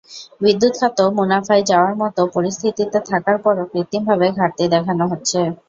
বিদ্যুৎ খাতও মুনাফায় যাওয়ার মতো পরিস্থিতিতে থাকার পরও কৃত্রিমভাবে ঘাটতি দেখানো হচ্ছে।